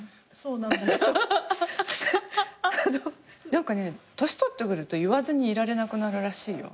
何かね年取ってくると言わずにいられなくなるらしいよ。